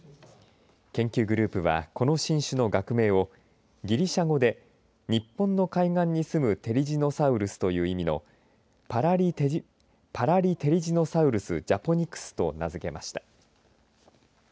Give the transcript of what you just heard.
研究グループはこの新種の学名をギリシャ語で日本の海岸に住むテリジノサウルスという意味のパラリテリジノサウルス・ジャポニクスと名づけました。